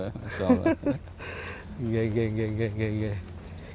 tapi ini masih di atas